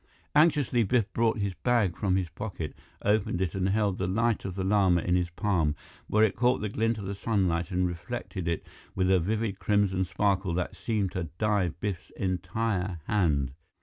Anxiously, Biff brought the bag from his pocket, opened it and held the Light of the Lama in his palm, where it caught the glint of the sunlight and reflected it with a vivid crimson sparkle that seemed to dye Biff's entire hand.